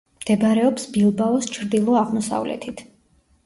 მდებარეობს ბილბაოს ჩრდილო-აღმოსავლეთით.